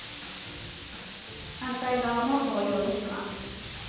反対側も同様にします。